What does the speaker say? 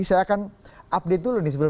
saya akan update dulu nih sebelum